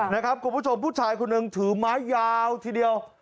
นะครับคุณผู้ชมผู้ชายคนหนึ่งถือไม้ยาวทีเดียว